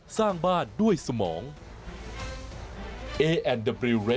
ช่วงวิทย์ตีแสงหน้า